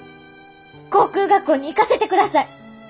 航空学校に行かせてください。